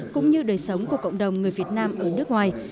cũng như đời sống của cộng đồng người việt nam ở nước ngoài